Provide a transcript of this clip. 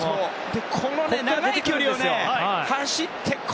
この長い距離を走ってね。